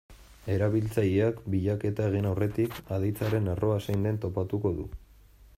Erabiltzaileak bilaketa egin aurretik, aditzaren erroa zein den topatuko du.